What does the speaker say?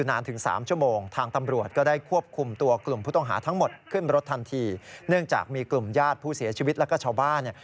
เนื่องจากมีกลุ่มญาติผู้เสียชีวิตและชาวบ้าน